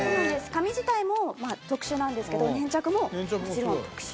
紙自体も特殊なんですけど粘着ももちろん特殊。